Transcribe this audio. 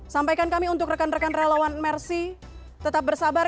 sampaikan kami untuk rekan rekan relawan mersi tetap bersabar